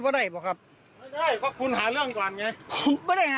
อ้าวก็คุ้นดีประดิษฐ์